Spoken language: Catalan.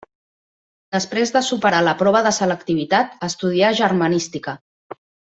Després de superar la prova de selectivitat estudià germanística.